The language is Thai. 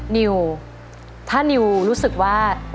นิวถ้านิวรู้สึกว่า